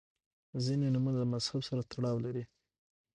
• ځینې نومونه د مذهب سره تړاو لري.